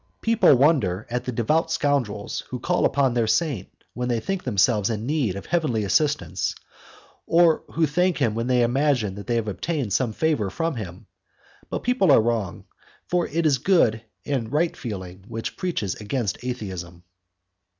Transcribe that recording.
People wonder at the devout scoundrels who call upon their saint when they think themselves in need of heavenly assistance, or who thank him when they imagine that they have obtained some favour from him, but people are wrong, for it is a good and right feeling, which preaches against Atheism.